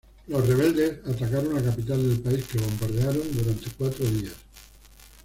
Los rebeldes atacaron la capital del país, que bombardearon durante cuatro días.